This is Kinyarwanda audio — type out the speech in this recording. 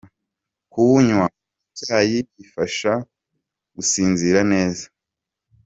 Kuwunywa mu cyayi bifasha gusinzira neza.